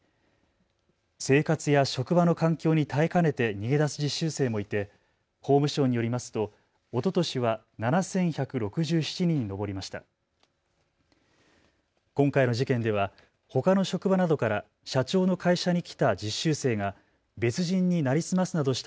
生活や職場の環境に耐えかねて逃げ出す実習生もいて法務省によりますと、おととしは７１６７人に上りました。